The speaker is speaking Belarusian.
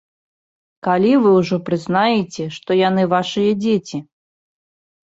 Калі вы ўжо прызнаеце, што яны вашыя дзеці?